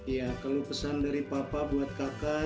iya kalau pesan dari papa buat kakak